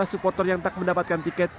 supporter yang tak mendapatkan tiket